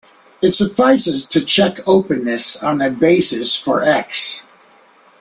It suffices to check openness on a basis for "X".